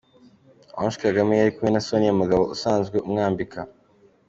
Ange Kagame yari kumwe na Sonia Mugabo usanzwe umwambika.